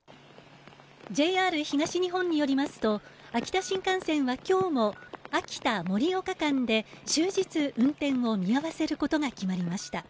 ＪＲ東日本によりますと秋田新幹線は今日も秋田ー盛岡間で終日運転を見合わせることが決まりました。